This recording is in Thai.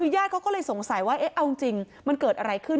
ญาติเขาก็เลยสงสัยว่าเอ๊ะเอาจริงมันเกิดอะไรขึ้น